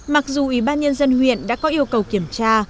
mặc dù ubnd huyện đã có yêu cầu kiểm tra